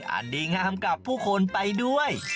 อันดีงามกับผู้คนไปด้วย